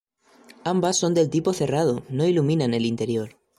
Ambas son del tipo cerrado, no iluminan el interior.